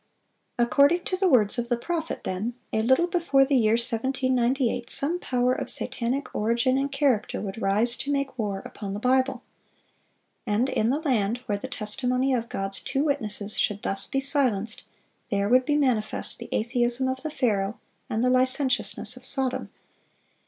According to the words of the prophet, then, a little before the year 1798 some power of satanic origin and character would rise to make war upon the Bible. And in the land where the testimony of God's two witnesses should thus be silenced, there would be manifest the atheism of the Pharaoh and the licentiousness of Sodom.